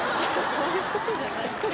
そういう事じゃない。